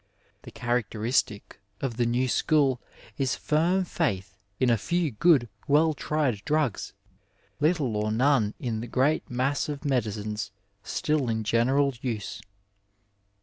The characteristic of the New School is firm faith in a few good, weU tried drugs, littie or none in the great mass of medicines still in general use.